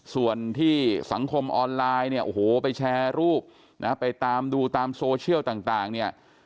ส่วนที่สังคมออนไลน์เนี่ยโอ้โหไปแชร์รูปนะไปตามดูตามโซเชียลต่างเนี่ย